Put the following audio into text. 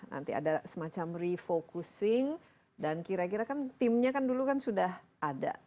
nanti ada semacam refocusing dan kira kira kan timnya kan dulu kan sudah ada